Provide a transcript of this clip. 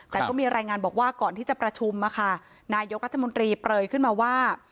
แต่ก็มีรายงานบอกว่าก่อนที่จะประชุมนายกรัฐมนตรีเปลยขึ้นมาว่า